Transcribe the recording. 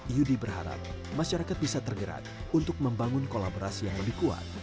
yudi berharap masyarakat bisa tergerak untuk membangun kolaborasi yang lebih kuat